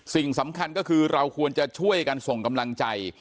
สิ่งสำคัญก็คือเราควรจะช่วยกันส่งกำลังใจ